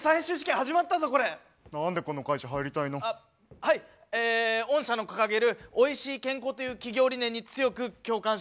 はいえ御社の掲げる「おいしい健康」という企業理念に強く共感しました。